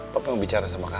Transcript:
papi mau bicara sama kamu